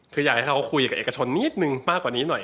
คืออยากให้เขาคุยกับเอกชนนิดนึงมากกว่านี้หน่อย